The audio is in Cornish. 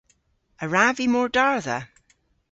A wrav vy mordardha?